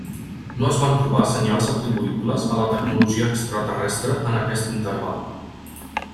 No es van trobar senyals atribuïbles a la tecnologia extraterrestre en aquest interval.